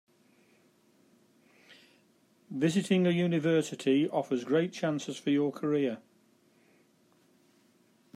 Visiting a university offers great chances for your career.